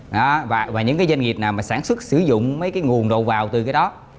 đó và những cái doanh nghiệp nào mà sản xuất sử dụng mấy cái nguồn đầu vào từ cái đó